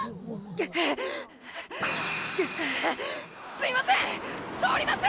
すいません通ります！